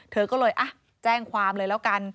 เธอก็เลยแจ้งความเลยแล้วกัน